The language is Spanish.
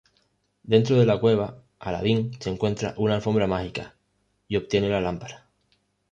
Dentro de la cueva, Aladdin encuentra una alfombra mágica y obtiene la lámpara.